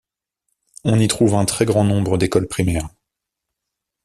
On y trouve un très grand nombre d’écoles primaires.